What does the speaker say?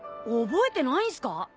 覚えてないんすか？